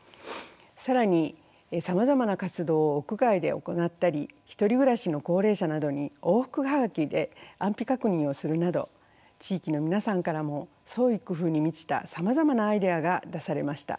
更にさまざまな活動を屋外で行ったり独り暮らしの高齢者などに往復はがきで安否確認をするなど地域の皆さんからも創意工夫に満ちたさまざまなアイデアが出されました。